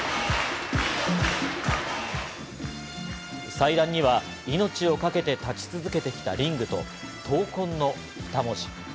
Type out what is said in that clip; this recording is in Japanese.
祭壇には命を懸けて立ち続けてきたリングと、「闘魂」の２文字。